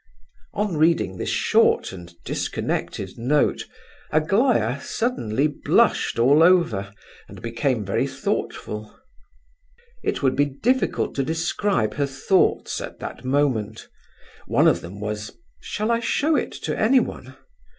On reading this short and disconnected note, Aglaya suddenly blushed all over, and became very thoughtful. It would be difficult to describe her thoughts at that moment. One of them was, "Shall I show it to anyone?"